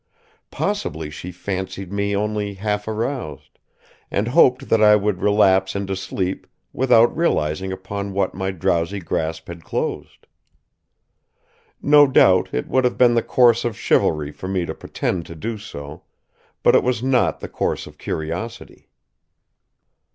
Possibly she fancied me only half aroused, and hoped that I would relapse into sleep without realizing upon what my drowsy grasp had closed. No doubt it would have been the course of chivalry for me to pretend to do so, but it was not the course of curiosity.